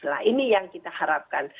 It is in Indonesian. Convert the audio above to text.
nah ini yang kita harapkan